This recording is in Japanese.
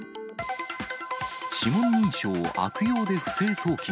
指紋認証悪用で不正送金。